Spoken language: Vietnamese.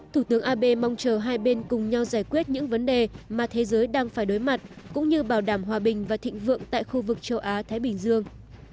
thủ tướng abe mong chờ hai bên cùng nhau giải quyết những vấn đề mà thế giới đang phải đối mặt cũng như bảo đảm hòa bình và thịnh vượng tại khu vực châu á thái bình dương